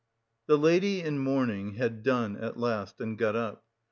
The lady in mourning had done at last, and got up.